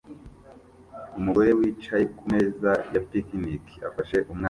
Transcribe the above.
Umugore wicaye kumeza ya picnic afashe umwana